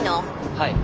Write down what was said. はい。